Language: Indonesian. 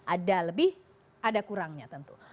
ada lebih ada kurangnya tentu